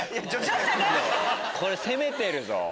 これ攻めてるぞ！